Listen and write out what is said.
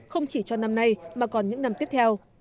không chỉ cho năm nay mà còn những năm tiếp theo